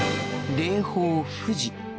霊峰富士。